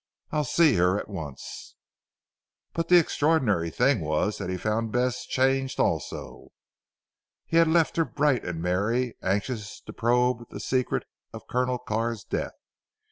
I'll see her at once." But the extraordinary thing was that he found Bess changed also. He had left her bright and merry, anxious to probe the secret of Colonel Carr's death.